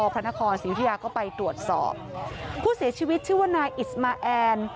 พระนครศรียุธิยาก็ไปตรวจสอบผู้เสียชีวิตชื่อว่านายอิสมาแอน